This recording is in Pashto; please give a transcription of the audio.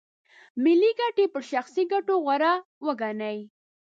ملي ګټې پر شخصي ګټو غوره وګڼي.